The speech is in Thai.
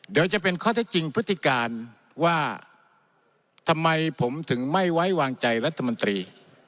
เดี๋ยวจะเป็นข้อเท็จจริงพฤติการว่าทำไมผมถึงไม่ไว้วางใจรัฐมนตรี